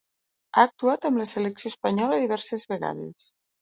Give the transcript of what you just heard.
Ha actuat amb la selecció espanyola diverses vegades.